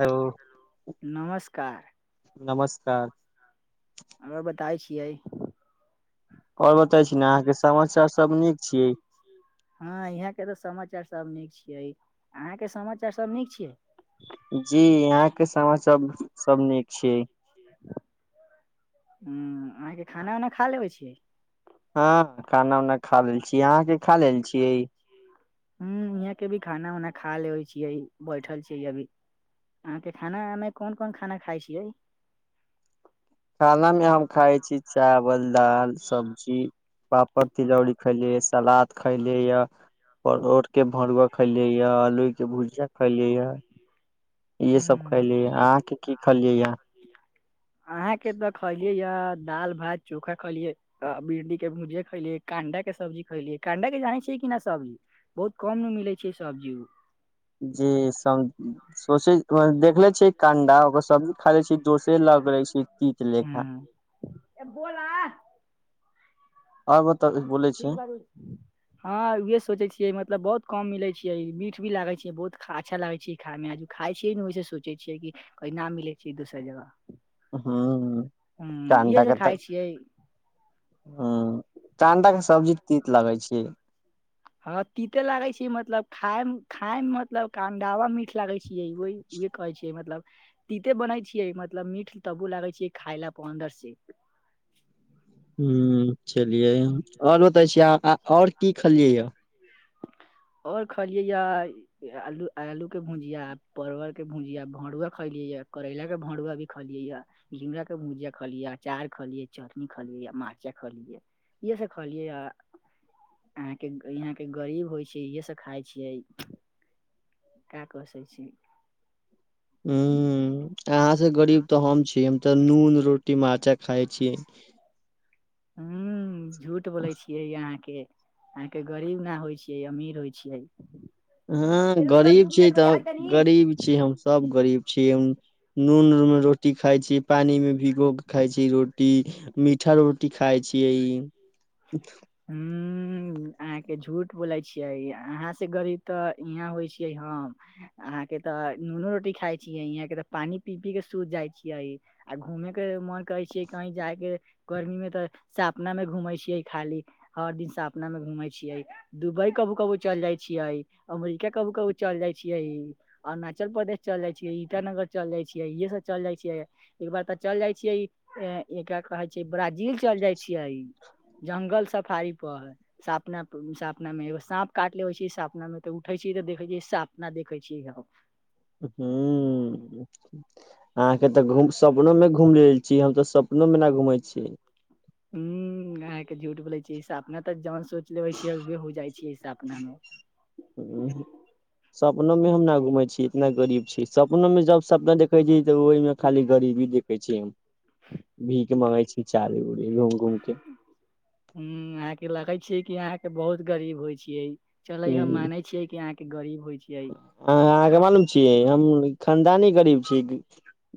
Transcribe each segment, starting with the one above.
hello नमस्कार नमस्कार हमरा बताय छियै आओर बताै छी ने अहाँ के समाचार सब नीक छी हँ यहां के तऽ समाचार सब नीक छियै अहंके समाचार सब नीक छियै जी यहां के समाचार सब नीक छी ह अहाँके खाना उना खा लेबै छियै हँ खाना उना खा लेल छीय अहाँ के खा लेल छीयै ह यहाँ के भी खाना उना खा लेै छियै बैठल छी अभी अहाँके खाना मे कोन कोन खाना खाइ छियै खाना मे हम खााय छी चावल दाल सब्जी पापड़ तिलौरी खैली सलाद खैली य परोर के भरुआ खलिये या आलू के भुजिया खेलिये इहसभ हूँ खयली अहाँके की खलियै यए अहाँ के त खैलियै ये दाल भात चोखा खलिये भिंडी के भुजिये खलियै कंडा के सब्जी खलियै कडा के जाने छै किना सब्जी बहुत कम मे मिले छै सब्जी उ जी सम सोचै देखले छै कंडा ओकर सब्जी खा ले छी दोसरे लग रहे छै तीत लेखा ए बोलअ आओर बताबी ठीक बारु हँं उहे सोचे छियै मतलब बहुत कम मिले छैियै मीठ भी लागे छैियै बहुत अच्छा लागे छै खाय मे आज खााय छियै ने ओहिस सोचै छियै कि कहि न मिलै छियै दोसर जगह ह ह इहे चन्दा से के त खाय छियै टांडा के सब्जी तीत लगै छै हँ तीते लागे छी मतलब खाय खाय मे मतलब अंडावा मीठ लागे छै उह कहै छैियै मतलब तीते बनै छियै मतलब मीठ तबो लागे छै खाय ल अन्दर से ह चलियै आओर बतै छी आओर की खेलियै या आओर खयलियै या इहे आलू आलू के भुजिया परवल के भुजिया भरुआ खलियै य करैला के भरुआ भी खलियै या घिउरा के भुजिया खलियै अचार खलियै चटनी खलियै या मा बच्चा खलियै इह सब खलियै य अहाँके गइया के गरीब होइ छै इहे सब खाय छियै का क सके छियै ह अहाँ से गरीब तऽ हम छी हम तऽ नून रोटी मारचा खाय छीयै हू झूठ बोलै छियै अहाँके अहाँके गरीब ने होइ छियै अमीर होइ छियै हँ ए रुक जो गरीब दू छी मिनट के लिए तऽ आइ तनी गरीब छी हम सब गरीब छी नून उन मे रोटी खाइ छी पानि मे भीगो के खााय छी रोटी मीठा रो टी खाय छियै हू अहाँके झूठ बोलै छियै अहाँ स गरीब तऽ इहाँ होइ छियै हम अहाँ के तऽ नूनो रोटी खााय छीियै यहाँ के तऽ पानी पी पी के सूत जाइ छीयै आ घूमे के मन करै छियै कहीं जायके गर्मी मे तऽ सपना मे घूमे छियै खाली हर दिन सपना मे घूमे छियै दुबई कभो कभो चल जाइ छियै अमेरिका कभो कभो चल जाइ छियै अरुणाचल प्रदेश चल जाइ छियै ईटानगर चल जाइ छियै इहे सभ चल जाइ छियै एकबार तऽ चल जाइ छियै एकरा कहै छै ब्राजील चल जाइ छियै जंगल सफाई पर है सपना सपना मे एगो साँप काट लेबै छी सपना मे तऽ उठे छी तऽ देखै छी सपना देखै छी हम ह अहाँके तऽ घू सपनो मे घुम लेल छी हम तऽ सपनो मे ना घूमै छी ह आहाँके झूठ बोलै छियै तऽ जन सोच लेबे छ उहे हो जाइ छै स अपना मे [inaudible] सपनो में हम न घूमै छीिय इतना गरीब छी सपनो मे जब सपना देखै छीिय तऽ ओहिमे खाली गरीबी देखे छी भीखे मगे छी चारू उरी घूम घूम के हुँ अहाँके लगै छिय कि अहाँके बहुत गरीब होइ छियै चले हम माने छियै कि अहाँके गरीब होइ छियै ह अहाँके मालूम छीयै हम खानदानी गरीब छीयै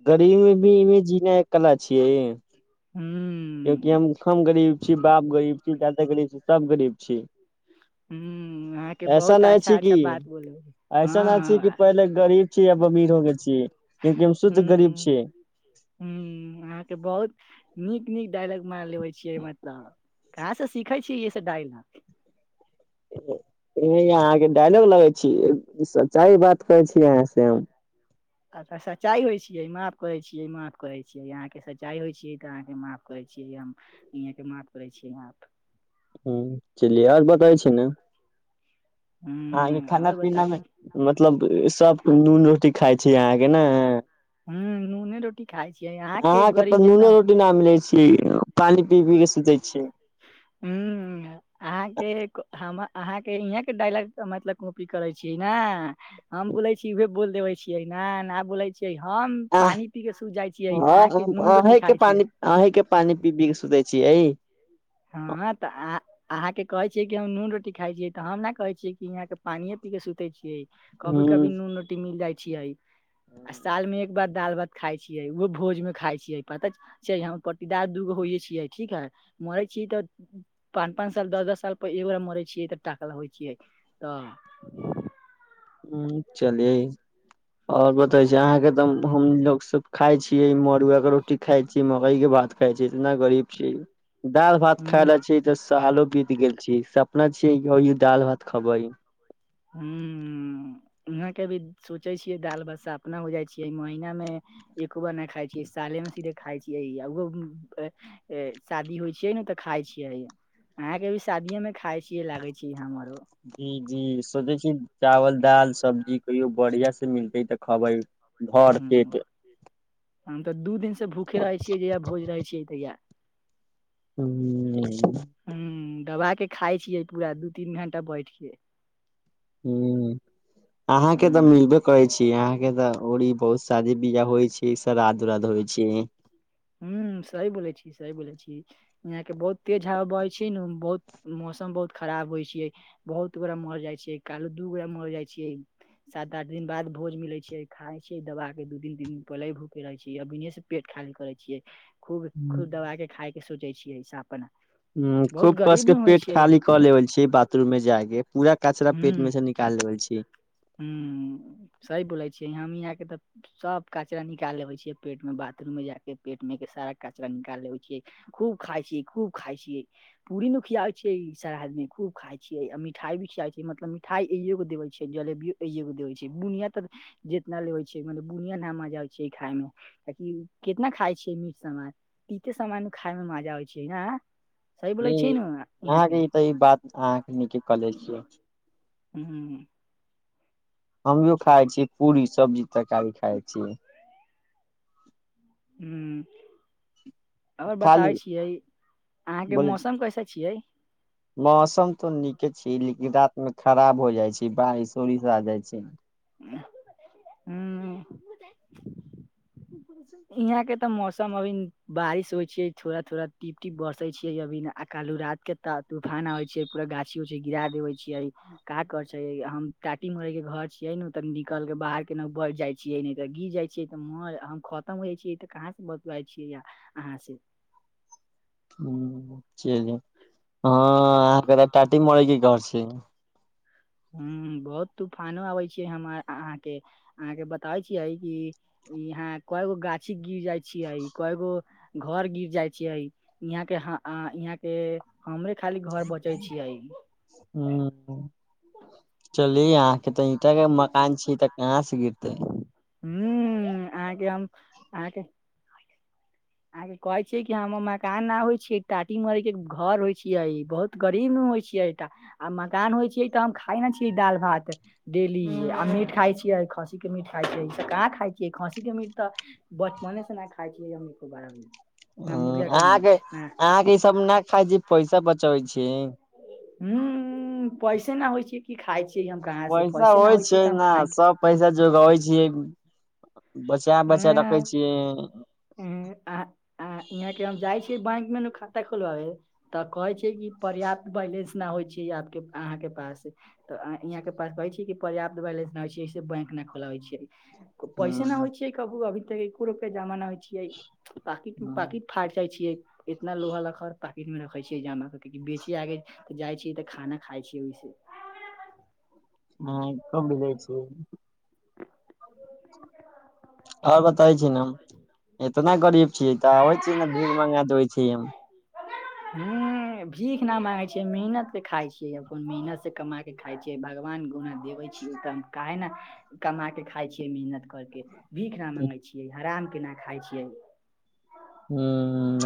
गरीब मे भी इमे जीना कला छियै हुँ क्यकि हम हम गरीब छी बाप गरीब छी दादे गरीब छी सब गरीब छी हूं अहाँके ऐसा बहुत नहि अच्छा छी कि अच्छा बात बोलब ऐसा न छी कि पहिले गरीब छी या अमीर हो के गरीब छीय क्यूंकी हम शुद्ध गरीब छीयै हम्म अहाँके बहुत नीक नीक डायलॉग मानि लेबे छियै मतलब कहाँसँ सीखै छीयै ई से डायलॉग अहाँके डायलॉग लगे छी सच्चाइ बात करै छी यहाँ से हम अ सच्चाइ होइियै माफ करैत छियै माफ करैत छियै अहाँके सच्चाइ छियै तऽ अहके माफ करैत छियै हम अहाँ के माफ करै छिय माफ हँ चलिय आर बताबै छी ने अहाँ हूं कें खाना आओर पीनामे बताबू मतलब सब नून रोटी खाय छी अहाँके ने हुँ नूने रोटी खाय छियै यहाँके गरीब जितना पानि पी पी के सुतै छियै हू अहाँके अहाँके इहाँ के डायलॉग मतलब कॉपी करै छीयै ने हम बोलै छी उह बोल देबे छियै न न बोलै छी हम आह पानी पी के सुूत जाइ छीयै अहाँ के नून रोटी खााय छीयै अन्हि के पानि पीबी के सुतै छिय हइ हँ तऽ आ अहाँं के कहे छियै कि हम नून रोटी खाय छियै तऽ हम ने कहे छियै कि यहां के पानि पी क के सुते छियै कभी कभी ह नून रोटी मिल जाइ छिय आ साल मे एक बार दाल भात खाय छियै ओहो भोज में खाय छियै पता छै हम पतिदार दूगो होइे छियै ठीक है मरैय छिय तऽ पाँच पाँच साल दस दस साल पर एगोरा मरे छियै तऽ टाकल होइ छियै तऽ ह चलिये आओर बतै छै अहाँके तऽ हमलोग सब खाय छीयैमड़ुआ के रोटी खाय छिय मकई के भात खायई छी इतना गरीब छिय दालि भात खाय ले छै तऽ सालो बीत गेल छी सपना छी हौ ई दालि भात खबै हुँ उहाँके भी सोचै छियै दाल भात सपना हो जाइ छियै महिनामे एको बार नहि खाइ छियै साले मे सीधे खाइ छियै उहो शादी होइ छियै ने तऽ खाइ छियै अहाके भी शादीे में खााय छीयै लागे छी हमरो जी जी सोचै छी चावल दाल सब्जी कहियो बढ़िया से मिलते तऽ खबै भर पेट हुँ हम तऽ दू दिन से भूखे रहैत छियै जहिया भोज रहै छियै तहिया हुँ हुँ दबा के खााय छियै पूरा दू तीन घंटा बैठके हुँ अहाँके तऽ हूँ मिलबे कहै छी अहाँ के तऽ औरी ई बहुत शादी वियाह होइ छै श्रादध उ्रादध होइ छै हुँ सही बोैलय छी सही बोलै छी यहां के बहुत तेज हवा बहै छै ने बहुत मौसम बहुत खराब होइ छिय बहुत गोरा मर जाइ छियै काल् दू गोरा मर जाइ छियै सात आठ दिन बाद भोज मिले छैे खााय छयइ दवा के दू दिन तीन दिन पहिले भूखे रहे छै अभिये से पेट खाली करे छिय छिय खूब खूब दबा के खाायके सोचै छियै सपना हुँ खूब कस के पेट खाली क लेवल छी बाथरूम में जाय के पूरा कचरा पेट मे से निक काल देबै छियै ह सही बोलै छियै हमही आहाँके तऽ सब कचराा निकाल लेबे छै पेट में बाथरूम में जा के पेट मे के सारा कचरा निकाल लेे छै खूब खाइ छीय खूब खाइ छीय पूरी नू खियावै छियै ई सराध मे खू खााय छियै आ मिठाई भी खिया छियै मतलब मिठाइ एगो देवे छियै जले [unintelligible] छै बुनिया तऽ जितना लेेबय छै म बुनिया न मजा होइ छै खायइ मे कि कितना खााय छियै मीठ सामान पीते सामय खाय मे मजा आबै छै ने ज यहाँके ई त ई बात अहाँके न के कले छियै ह्म हमियो खाइ छीयै पूरी सब्जी तरकारी खाय छीयै हू आओर खाली बताबै छिय अहाँके बोले छी मौसम कैसे छियै मौसम तऽ नीके छै लेकिन रात मे खराब हो जाइ छै बारिश ओरिश आ जाइ छै हू यहाँ के तऽ मौसम अभी बारिश होइ छै थोड़ा थोड़ा टीप टीप बसे छै अभी आ कालू रात के त तूफान आब छीय पूरा गाछी उछी गिरा देवे छीय क कर छ हम काटी मरे के घर छियै ने तऽ निकल के बाहर केना बस जाय छीयै ने तऽ गिर जाय छी तऽ म हम खतम होइ जाय छियै तऽ कहाँ से बतबाय छियै या अहाँ से ह हँ अहाँ क टाटी मरै की घर छै ह बहुत तूफानो आबै छै हम आहाँके अहाँके बताबै छिय कि ई हँ कयगो गाछ गिर जाइ छीयइ कय गो घर गिर जाइ छियै यहाँ के यहाँ के हमरे खाली घर बचै छियै हूँ ह्म चलि अहाँके त ईटा के मकान छी त कहाँ से गिरते ह्मम आहाके हम आहके आहाँके कहे छियै कि हमर मकान ना होइ छ टाटी मरी के घर होय छियै बहुत गरीबमे होइ छियै एहिटा आ मकान होइ छै तटा हम खााय ने छीियै दालि भात डेली आ मीट खाइ छियै खस्सीके मीट खाइ छियै ईसभ कहाँ खाइ छियै खस्सीके मीट तऽ बचपने से नहि खाइ छियै हम एको बार ना मुर्गा ह के अहाँके मीट ना अहाँके ई सब नहि खाइ छी पैसा बचबै छी ह पैसे नहि होइ छै कि खााय छियै हम कहाँ से पैसा पैसे होइ छै तऽ हम ना खाय सभ पैसा जोगाबै छियै बचा बचा रखे छियै हू आहाँ आहाँ के हम जाइ छीयै बैंक मे ने खाता खोलबाबे तऽ कहै छै कि पर्याप्त बैलेंस ना होइ छै आपके आहाँके पास तऽ यहाँ के पास कहै छैै कि पर्याप्त बैलंस नहि होइ छैसे बैंक नहि खोला होइ छै पैसे नहि हँ, होइ छियै कब अभी तक एको रोप के जमा ना होइ छियै पाकिट पाकिट फाटि जाइ छियै इतना लोहा लखर पाकिटमे रख छियै जानाके किकि बेचि आगे तऽ जाइ छीयै तऽ खाना खाइ छीियै ओहिसे हँ कबडी दइ छ आओर बतेै छी ने एतना गरीब छीिय तऽ आबै छी ने भीग मंगा देबै छी हम ह भीख ना मांगे छी मेहनत के खााय छीियै अपन मेहनत से कमा खाय छै भगवान गुणा देवे छियै तऽ काहे ने कमा के खाय छियै मेहनत कर के भीख न मंगे छियै हराम के ना खाय छियै ह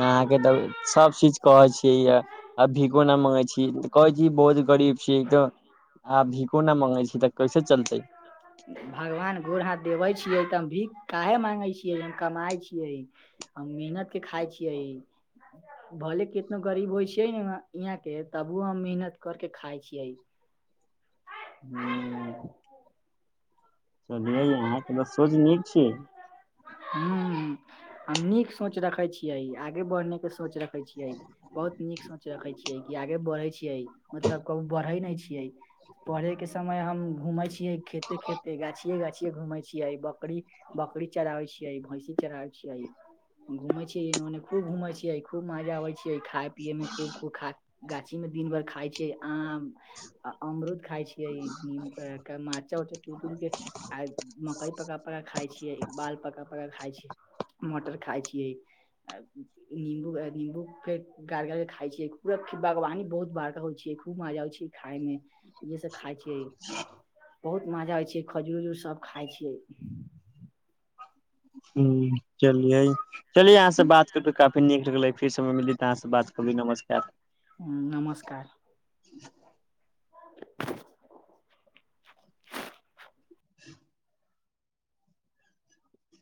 अहाँके तऽ सब चीज कहै छियै य आ भीखो न मंगेै छी कहै छी बोझ गरीब छीय तऽ आब भीखो न मंगे छी तऽ कैसे चलते भगवान गोर हाथ देवै छियै तऽ हम भीख काहे मांगै छियै हम कमााय छियै हम मेहनत के खााय छियै भले कितनो गरीब होइ छियै ने इहाँ के तबु हम मेहनत कर के खाय छियै ह चलियै आहाँके त सोच नीक छी ह हम नीक सोच रखे छियै आगे बढ़ने के सोच रखे छियै बहुत नीक सोच रखै छियै कि आगे बढ़ै छियै मतलब कहु बढ़ै नहि छियै पढ़े के समय हम घूमेे छिये खेते खेते गाछिये गाछिये घूमे छियै बकरी बकरी चराबै छियै भैंसी चराबै छियै घूम छीयै एने खू घूम छिय खूब मजा आबै छियै खाय पियए मे खू खूब खा गाछी में दिन भर खााय छैै आम आ अमरुद खाइ छियै नम मर्चा उर्चा तूड़ तूड़ के आय मकई पका पका खााय छीयै बाल पका पका खाइ छी मटर खाइ छियै निम्बू अ निम्बू के गार गार खा छियै पूरा बागवानी बहुत बारका होइ छ खूब मजा हो छै खइमे इहे सब खााय छियै बहुत मजा होइ छै खजूुर उजूर सब खााय छियै हू चलिय चलियै आहाँ से बात करे काफी नीक लगले फीर समय मिली त आहाँ से बात कर भी नमस्कार ह नमस्कार [inaudible]